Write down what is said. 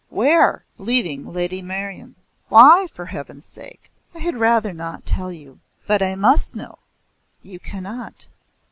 Where?" "Leaving Lady Meryon." "Why for Heaven's sake?" "I had rather not tell you." "But I must know." "You cannot."